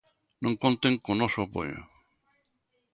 Non conten co noso apoio.